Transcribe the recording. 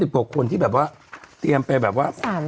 กว่าคนที่แบบว่าเตรียมไปแบบว่า